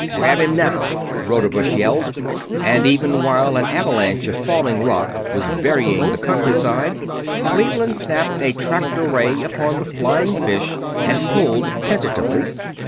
"Grab him now!" Rodebush yelled, and even while an avalanche of falling rock was burying the countryside Cleveland snapped a tractor ray upon the flying fish and pulled tentatively.